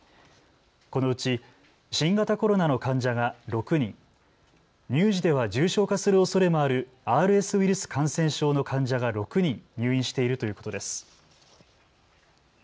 このうち新型コロナの患者が６人、乳児では重症化するおそれもあるＲＳウイルス感染症の患者が６人入院しているということです。